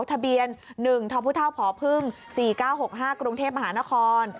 ทะเบียน๑ท้อมผู้เท่าผอพึ่ง๔๙๖๕กรุงเทพฯมหานคร